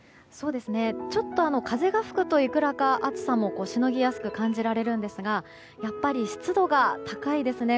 ちょっと風が吹くといくらか暑さもしのぎやすく感じられるんですがやっぱり湿度が高いですね。